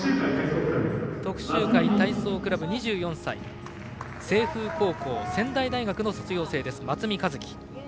徳洲会体操クラブ、２４歳清風高校、仙台大学の卒業生松見一希。